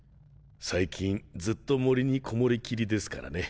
最近ずっと森にこもりきりですからね。